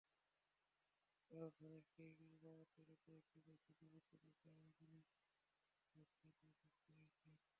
রাজধানীর খিলগাঁওয়ে রাতে একটি বাসে দুর্বৃত্তদের দেওয়া আগুনে পাঁচ যাত্রী দগ্ধ হয়েছেন।